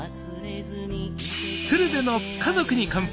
「鶴瓶の家族に乾杯」